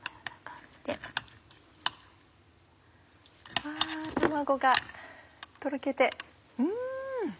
わぁ卵がとろけてうん！